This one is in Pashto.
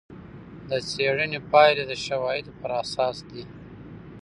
د څېړنې پایلې د شواهدو پر اساس دي.